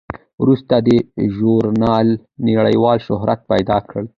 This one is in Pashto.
وروسته دې ژورنال نړیوال شهرت پیدا کړ.